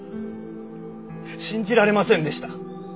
信じられませんでした。